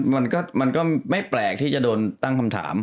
เพราะงั้นมันก็ไม่แปลกที่จะโดนตั้งคำถาม